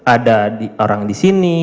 ada orang disini